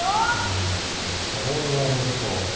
うんそう言われると。